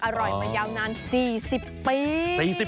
อร่อยมายาวนาน๔๐ปี